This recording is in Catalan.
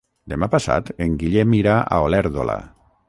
Demà passat en Guillem irà a Olèrdola.